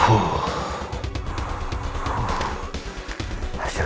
hasil scan yang palsu